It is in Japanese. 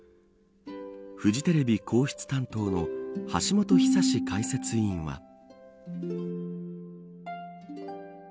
フジテレビ皇室担当の橋本寿史解説委員は。